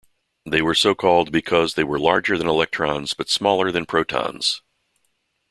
They were so-called because they were larger than electrons but smaller than protons.